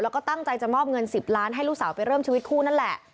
แล้วก็ตั้งใจจะมอบเงิน๑๐ล้านให้ลูกสาวไปเริ่มชีวิตคู่นั่นแหละ